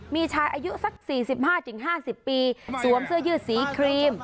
มีชายอายุสักสี่สิบห้าถึงห้าสิบปีสวมเสื้อยืดสีครีม